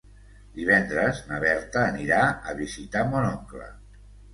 Divendres na Berta anirà a visitar mon oncle.